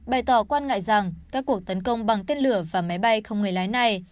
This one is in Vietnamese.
bày tỏ quan ngại rằng các cuộc tấn công bằng tên lửa và máy bay không người lái này